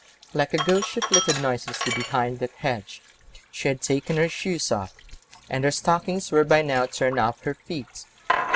Like a ghost she flitted noiselessly behind that hedge: she had taken her shoes off, and her stockings were by now torn off her feet.